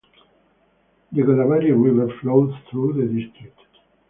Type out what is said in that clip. The Godavari River flows through the district.